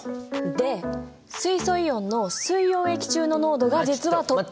で水素イオンの水溶液中の濃度が実はとっても大事で。